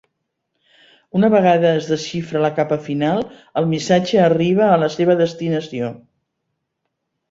Una vegada es desxifra la capa final, el missatge arriba a la seva destinació.